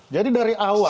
jadi dari awal